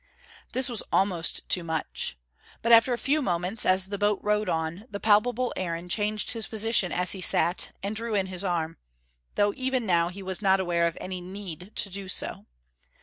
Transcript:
This was almost too much. But after a few moments, as the boat rowed on, the palpable Aaron changed his position as he sat, and drew in his arm: though even now he was not aware of any need to do so.